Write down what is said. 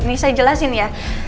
ini saya jelasin ya